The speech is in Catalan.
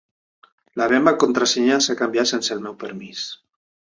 La meva contrasenya s'ha canviat sense el meu permís.